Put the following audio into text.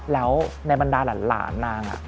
แล้วในบรรดาหลานนาง